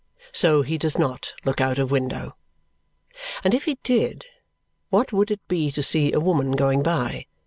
So he does not look out of window. And if he did, what would it be to see a woman going by?